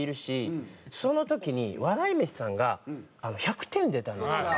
その時に笑い飯さんが１００点出たんですよ。